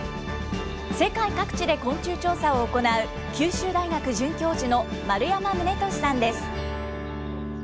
世界各地で昆虫調査を行う九州大学准教授の丸山宗利さんです。